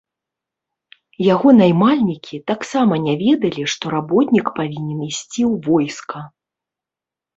Яго наймальнікі таксама не ведалі, што работнік павінен ісці ў войска.